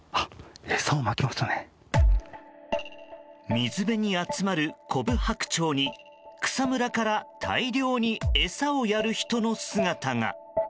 水辺に集まるコブハクチョウに草むらから大量に餌をやる人の姿が。